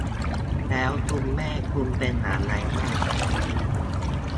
แล้วคุณแม่คุณเป็นอย่างไรบ้าง